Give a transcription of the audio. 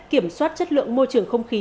kiểm soát chất lượng môi trường không khí